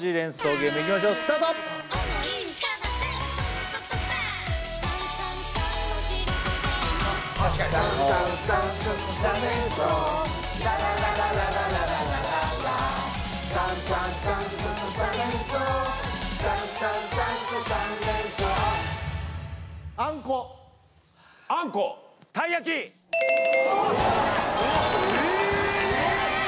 ゲームいきましょうスタートあんこええええ